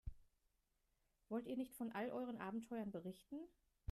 Wollt ihr nicht von all euren Abenteuern berichten?